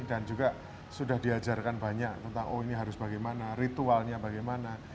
dan juga sudah diajarkan banyak tentang oh ini harus bagaimana ritualnya bagaimana